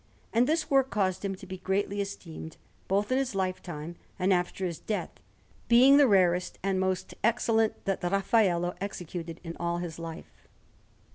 And this work caused him to be greatly esteemed both in his lifetime and after his death, being the rarest and most excellent that Raffaello executed in all his life.